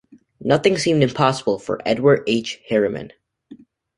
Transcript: Nothing seemed impossible for Edward H. Harriman.